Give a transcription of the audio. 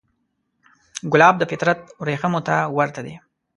ګلاب د فطرت وریښمو ته ورته دی.